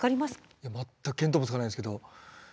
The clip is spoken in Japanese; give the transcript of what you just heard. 全く見当もつかないんですけど。